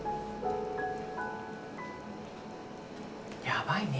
やばいね。